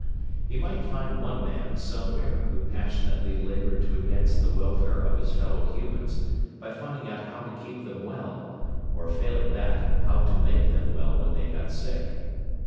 He might find one man, somewhere, who passionately labored to advance the welfare of his fellow humans by finding out how to keep them well or, failing that, how to make them well when they got sick.